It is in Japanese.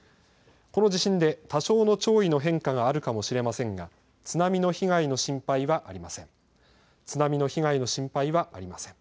この地震で多少の潮位の変化があるかもしれませんが津波の被害の心配はありません。